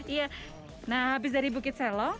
iya nah habis dari bukit selo